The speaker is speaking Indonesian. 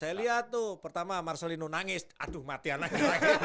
saya lihat tuh pertama marcelino nangis aduh mati anaknya